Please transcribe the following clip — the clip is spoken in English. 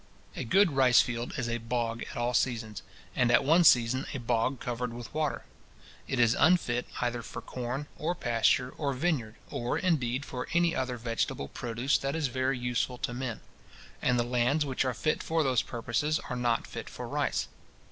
A good rice field is a bog at all seasons, and at one season a bog covered with water. It is unfit either for corn, or pasture, or vineyard, or, indeed, for any other vegetable produce that is very useful to men; and the lands which are fit for those purposes are not fit for rice.